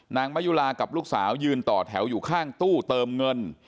นางมะยุลากับลูกสาวยืนต่อแถวอยู่ข้างตู้เติมเงิน